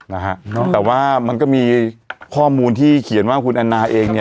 นะฮะเนอะแต่ว่ามันก็มีข้อมูลที่เขียนว่าคุณแอนนาเองเนี่ย